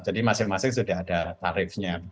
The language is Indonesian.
jadi masing masing sudah ada tarifnya